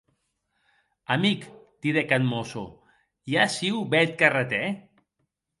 Amic, didec ath mosso, i a aciu bèth carretèr?